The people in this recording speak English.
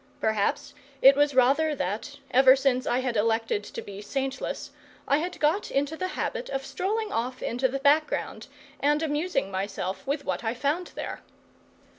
Perhaps it was rather that, ever since I had elected to be saintless, I had got into the habit of strolling off into the background, and amusing myself with what I found there.